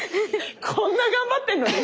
こんな頑張ってんのに。